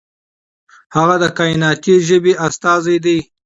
هغه د کائناتي ژبې استازی دی.